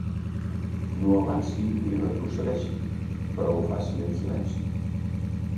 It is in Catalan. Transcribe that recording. No avanci ni retrocedeixi, però ho faci en silenci.